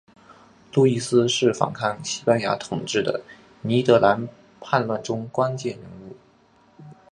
路易斯是反抗西班牙统治的尼德兰叛乱中关键人物。